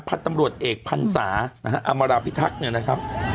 ตำรวจเอกพันศานะฮะอมราพิทักษ์เนี่ยนะครับ